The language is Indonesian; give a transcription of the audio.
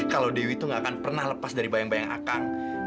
kalo dewi tuh gak akan pernah lepas dari bayang bayang akang